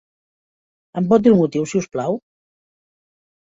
Em pot dir el motiu, si us plau?